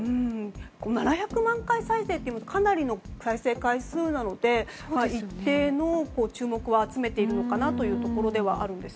７００万回再生というとかなりの再生回数なので一定の注目を集めているのかなというところです。